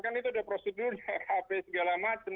kan itu sudah prosedur hp segala macam